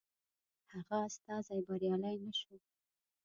هغه استازی بریالی نه شو.